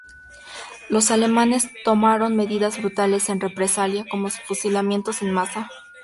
Los alemanes tomaron medidas brutales en represalia, como fusilamientos en masa.